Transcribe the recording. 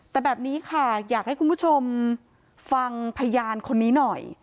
แต่แบบนี้ค่ะอยากให้คุณผู้ชมฟังพยานคนนี้หน่อย